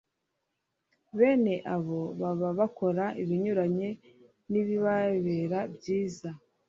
bene abo baba bakora ibinyuranye n'ibibabera byiza